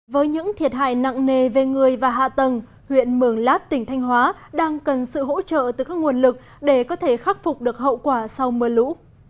với những thiệt hại nặng nề về người và hạ tầng huyện mường lát tỉnh thanh hóa đang cần sự hỗ trợ từ các nguồn lực để có thể khắc phục được hậu quả sau mưa lũ